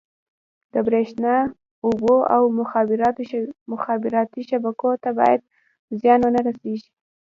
د بریښنا، اوبو او مخابراتو شبکو ته باید زیان ونه رسېږي.